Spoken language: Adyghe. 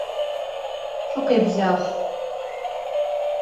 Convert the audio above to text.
Şükhêblağ!